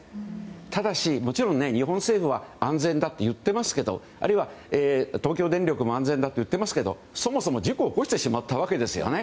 ただし、もちろん日本政府は安全だって言ってますけどあるいは、東京電力も安全だといっていますけどそもそも事故を起こしてしまったわけですよね。